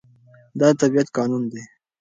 دا د طبيعت قانون دی.